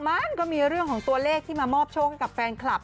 มันก็มีเรื่องของตัวเลขที่มามอบโชคให้กับแฟนคลับ